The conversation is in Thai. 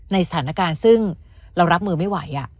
สถานการณ์ซึ่งเรารับมือไม่ไหว